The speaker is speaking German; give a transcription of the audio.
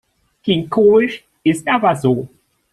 Klingt komisch, ist aber so.